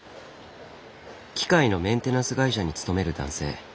機械のメンテナンス会社に勤める男性。